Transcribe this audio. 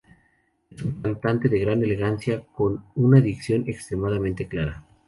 Es un cantante de una gran elegancia, con una dicción extremadamente clara.